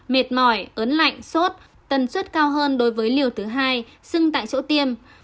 mệt mỏi ớn lạnh sốt tần suất cao hơn đối với liều thứ hai sưng tại chỗ tiêm